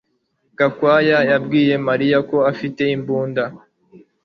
Gakwaya yabwiye Mariya ko afite imbunda